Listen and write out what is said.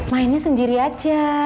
mainnya sendiri aja